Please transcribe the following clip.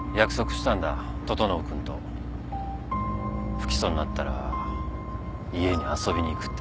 不起訴になったら家に遊びに行くって。